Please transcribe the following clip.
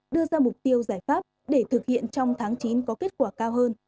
đưa ra mục tiêu giải pháp để thực hiện trong tháng chín có kết quả cao hơn